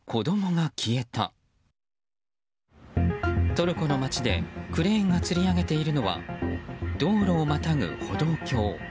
トルコの街でクレーンがつり上げているのは道路をまたぐ歩道橋。